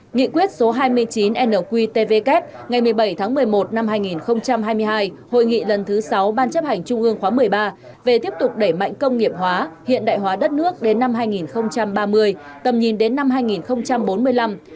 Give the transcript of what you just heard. nghị quyết số hai mươi chín nqtvk ngày một mươi bảy tháng một mươi một năm hai nghìn hai mươi hai hội nghị lần thứ sáu ban chấp hành trung ương khóa một mươi ba về tiếp tục đẩy mạnh công nghiệp hóa hiện đại hóa đất nước đến năm hai nghìn ba mươi tầm nhìn đến năm hai nghìn bốn mươi năm